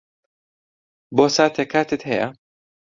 بۆ ساتێک کاتت ھەیە؟